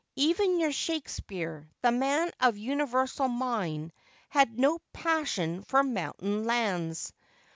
Even your Shakespeare, the man of universal mind, had no passion for mountain lands.'